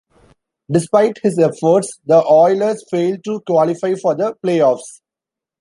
Despite his efforts, the Oilers failed to qualify for the playoffs.